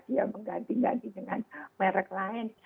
dia mengganti ganti dengan merek lain